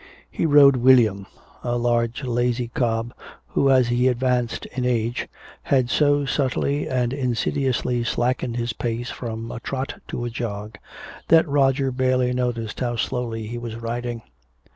He rode "William," a large lazy cob who as he advanced in age had so subtly and insidiously slackened his pace from a trot to a jog that Roger barely noticed how slowly he was riding.